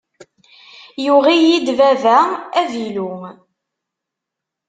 Yuɣ-iyi-d baba avilu.